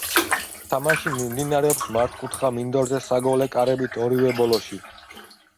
თამაში მიმდინარეობს მართკუთხა მინდორზე საგოლე კარებით ორივე ბოლოში.